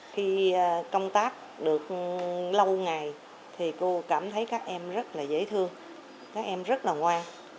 khi công tác được lâu ngày thì cô cảm thấy các em rất là dễ thương các em rất là ngoan